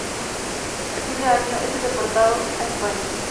A fin de ese año, es deportado a España.